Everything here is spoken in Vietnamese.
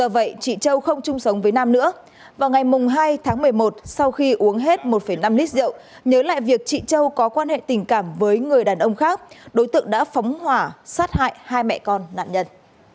vào ngày hai tháng một mươi một sau khi uống hết một năm lít rượu nhớ lại việc chị châu có quan hệ tình cảm với người đàn ông khác đối tượng đã phóng hỏa sát hại hai mẹ con nạn nhân